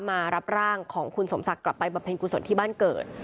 มารับร่างของคุณสมศักดิ์กลับไปบำเพ็ญกุศลที่บ้านเกิด